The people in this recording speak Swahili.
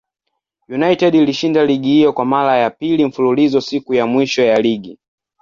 United ilishinda ligi hiyo kwa mara ya pili mfululizo siku ya mwisho ya ligi.